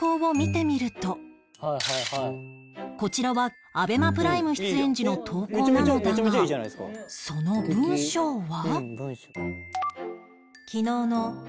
こちらは『ＡＢＥＭＡＰｒｉｍｅ』出演時の投稿なのだがその文章は？